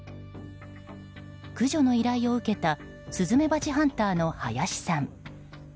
駆除の依頼を受けたスズメバチハンターの林さん。